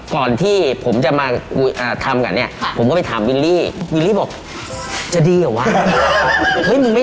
ก่อนผมจะมาทำกันเนี่ยผมได้ทำวิริบวกจะดีหรอวะ